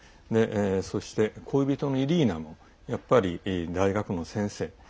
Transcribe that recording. そして、恋人のイリーナもやっぱり大学の先生。